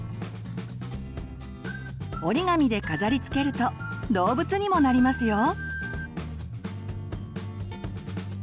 折り紙で飾りつけると動物にもなりますよ。